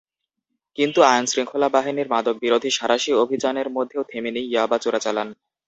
কিন্তু আইনশৃঙ্খলা বাহিনীর মাদকবিরোধী সাঁড়াশি অভিযানের মধ্যেও থেমে নেই ইয়াবা চোরাচালান।